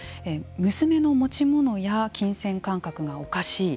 娘の持ち物や金銭感覚がおかしい。